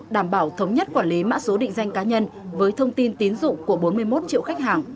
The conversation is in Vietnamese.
đảm bảo thống nhất quản lý mã số định danh cá nhân với thông tin tín dụng của bốn mươi một triệu khách hàng